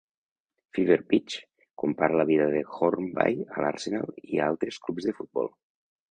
"Fever Pitch" compara la vida de Hornby a l'Arsenal i altres club de futbol.